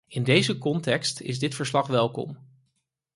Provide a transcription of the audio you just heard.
In deze context is dit verslag welkom.